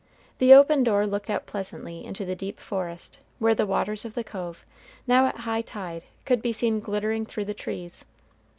The open door looked out pleasantly into the deep forest, where the waters of the cove, now at high tide, could be seen glittering through the trees.